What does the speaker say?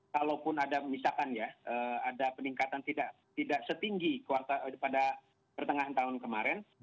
walaupun ada peningkatan tidak setinggi pada pertengahan tahun kemarin